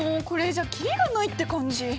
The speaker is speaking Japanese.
これじゃ切りがないって感じ！